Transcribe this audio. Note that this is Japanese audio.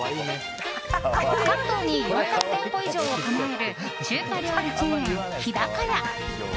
関東に４００店舗以上を構える中華料理チェーン、日高屋。